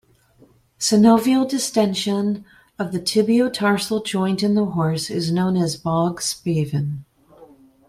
Synovial distension of the tibiotarsal joint in the horse is known as Bog spavin.